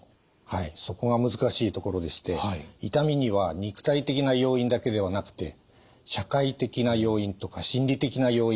はいそこが難しいところでして痛みには肉体的な要因だけではなくて社会的な要因とか心理的な要因が影響します。